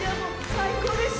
最高です！